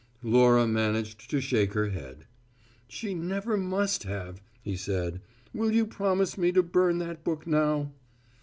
Laura managed to shake her head. "She never must have," he said. "Will you promise me to burn that book now?"